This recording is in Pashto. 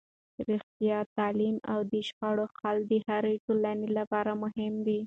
روغتیا، تعلیم او د شخړو حل د هرې ټولنې لپاره مهم دي.